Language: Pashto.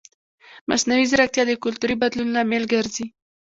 مصنوعي ځیرکتیا د کلتوري بدلون لامل ګرځي.